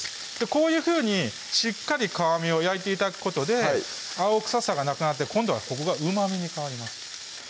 こういうふうにしっかり皮目を焼いて頂くことで青臭さがなくなって今度はここがうまみに変わります